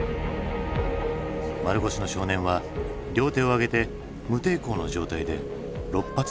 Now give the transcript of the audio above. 丸腰の少年は両手を上げて無抵抗の状態で６発の銃弾を浴びた。